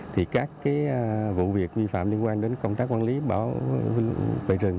thì các vụ việc vi phạm liên quan đến công tác quản lý bảo vệ rừng